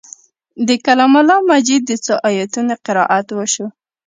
د کلام الله مجید د څو آیتونو قرائت وشو.